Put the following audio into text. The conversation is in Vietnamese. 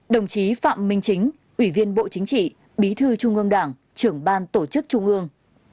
đồng chí phạm minh chính ủy viên bộ chính trị bí thư trung ương đảng trưởng ban tổ chức trung ương